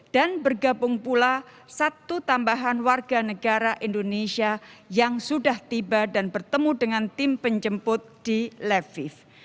dan bergabung pula satu tambahan warga negara indonesia yang sudah tiba dan bertemu dengan tim penjemput di leviv